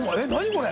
これ。